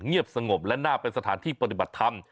สงบและน่าเป็นสถานที่ปฏิบัติธรรม